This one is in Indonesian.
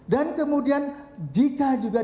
dan kemudian jika juga